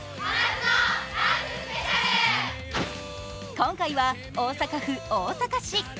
今回は大阪府大阪市。